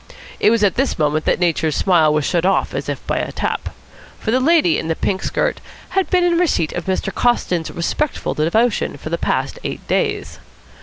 It was at this moment that Nature's smile was shut off as if by a tap. For the lady in the pink skirt had been in receipt of Mr. Coston's respectful devotion for the past eight days.